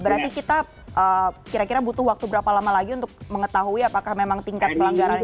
berarti kita kira kira butuh waktu berapa lama lagi untuk mengetahui apakah memang tingkat pelanggaran ini